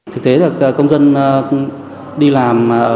thực tế là công dân đi làm